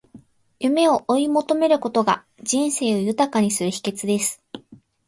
夢を追い求めることが、人生を豊かにする秘訣です。